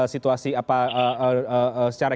situasi apa secara